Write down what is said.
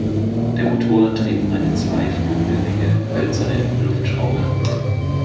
Der Motor trieb eine zweiflügelige hölzerne Luftschraube an.